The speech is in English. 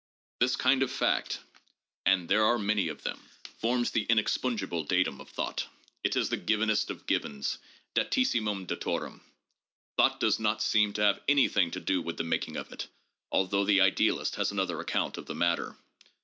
This kind of fact, and there PSYCHOLOGY AND SCIENTIFIC METHODS 597 are many of them, forms the inexpugnable datum of thought. It is the givenest of givens, datissimum datorum. Thought does not seem to have anything to do with the making of it— although the idealist has another aeeount of the matter.